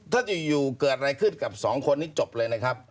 ถ้าจะอยู่เกิดอะไรขึ้นกับสองคนนี้จบเลยนะครับ